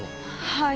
はい。